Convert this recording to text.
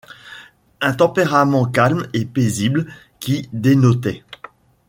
Un tempérament calme et paisible qui dénotait